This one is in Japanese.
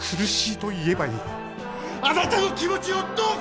あなたの気持ちをどうか！